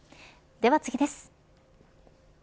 では次です。